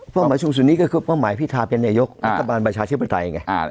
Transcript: หมายสูงสุดนี้ก็คือเป้าหมายพิทาเป็นนายกรัฐบาลประชาธิปไตยไง